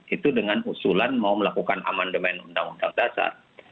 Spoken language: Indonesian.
itu dengan usulan mau melakukan amandemen undang undang dasar